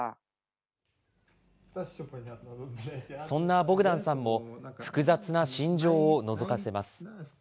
そんなボグダンさんも、複雑な心情をのぞかせます。